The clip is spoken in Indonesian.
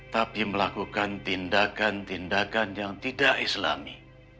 tapi melakukan tindakan tindakan yang tidak islami